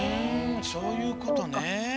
そういうことね。